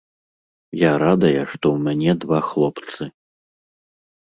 Я радая, што ў мяне два хлопцы.